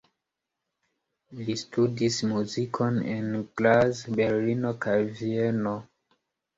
Li studis muzikon en Graz, Berlino kaj Vieno.